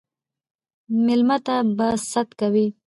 ميلمه ته به ست کوئ